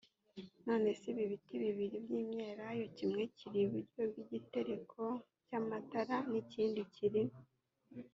none se ibi biti bibiri by imyelayo kimwe kiri iburyo bw igitereko cy amatara n ikindi kiri